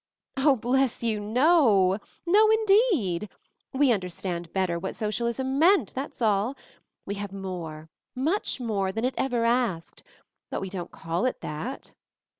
"Oh, bless you, no; no indeed! We un derstand better what socialism meant, that's all. We have more, much more, than it ever asked; but we don't call it that."